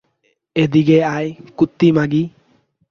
এদিকে আয়, কুত্তি মাগি।